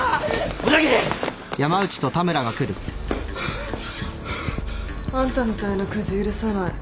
小田切！あんたみたいなくず許さない。